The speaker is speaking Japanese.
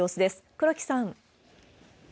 黒木さん。